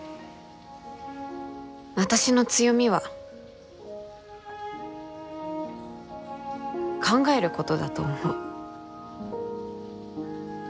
私の強みは考えることだと思う。